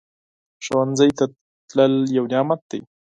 ښوونځی ته تلل یو نعمت دی